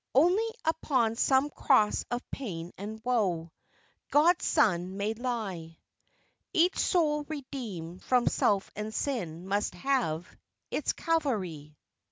"Only upon some cross of pain and woe, God's Son may lie. Each soul redeemed from self and sin, must have Its Calvary."